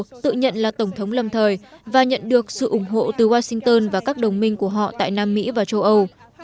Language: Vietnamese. tổng thống maduro đã được tổng thống lâm thời và nhận được sự ủng hộ từ washington và các đồng minh của họ tại nam mỹ và châu âu